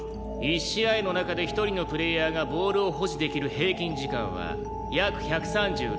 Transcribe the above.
１試合の中で１人のプレーヤーがボールを保持できる平均時間は約１３６秒。